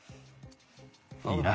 いいな？